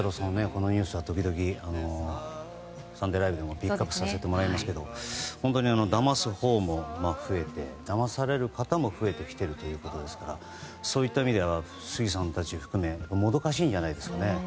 このニュースは時々「サンデーＬＩＶＥ！！」でもピックアップさせてもらいますが本当にだますほうも増えてだまされる方も増えてきているということですからそういった意味では杉さんたちを含めもどかしいんじゃないですかね。